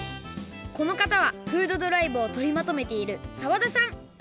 このかたはフードドライブをとりまとめている澤田さん。